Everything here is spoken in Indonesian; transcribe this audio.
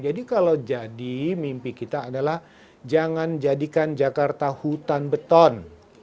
jadi kalau jadi mimpi kita adalah jangan jadikan jakarta hutan beton